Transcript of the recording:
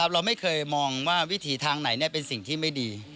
เราไม่เคยมองว่าวิถีทางไหนเป็นสิ่งที่ไม่ดี